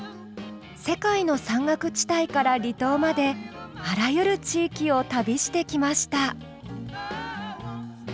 世界の山岳地帯から離島まであらゆる地域を旅してきました。